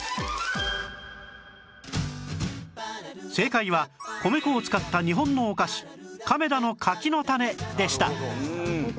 正解は米粉を使った日本のお菓子亀田の柿の種でした